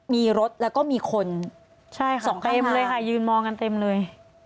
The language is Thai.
มีรถแล้วก็มีคนสองเต็มเลยค่ะยืนมองกันเต็มเลย